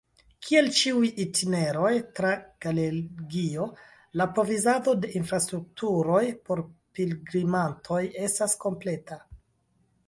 Kiel ĉiuj itineroj tra Galegio, la provizado de infrastrukturoj por pilgrimantoj estas kompleta.